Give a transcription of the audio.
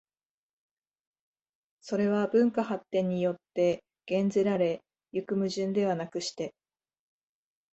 それは文化発展によって減ぜられ行く矛盾ではなくして、